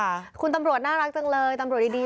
ที่ผู้บังคับบัญชามอบหมายให้ทำหน้าที่นี้